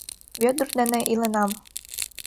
Вӧдыр дене иленам!.